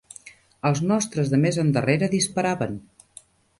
Els nostres de més endarrere disparaven